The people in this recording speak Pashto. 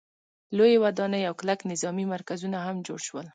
لویې ودانۍ او کلک نظامي مرکزونه هم جوړ شول.